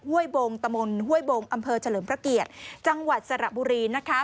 ้วยบงตะมนต์ห้วยบงอำเภอเฉลิมพระเกียรติจังหวัดสระบุรีนะคะ